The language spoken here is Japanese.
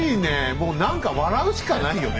もう何か笑うしかないよね